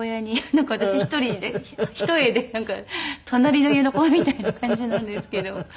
なんか私１人で隣の家の子みたいな感じなんですけど。